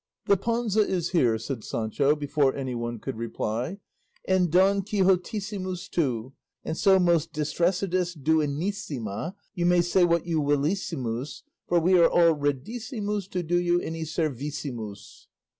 "The Panza is here," said Sancho, before anyone could reply, "and Don Quixotissimus too; and so, most distressedest Duenissima, you may say what you willissimus, for we are all readissimus to do you any servissimus."